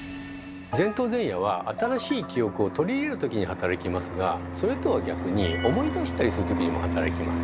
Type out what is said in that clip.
前頭前野は新しい記憶を取り入れるときに働きますがそれとは逆に思い出したりするときにも働きます。